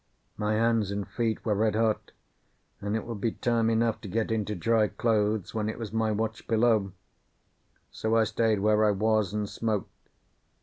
My hands and feet were red hot, and it would be time enough to get into dry clothes when it was my watch below; so I stayed where I was, and smoked.